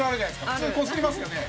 普通こすりますよね？